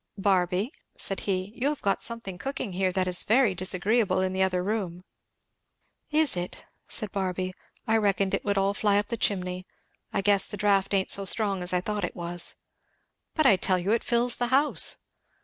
"Barby," said he, "you have got something cooking here that is very disagreeable in the other room." "Is it?" said Barby. "I reckoned it would all fly up chimney I guess the draught ain't so strong as I thought it was." "But I tell you it fills the house!"